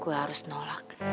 gue harus nolak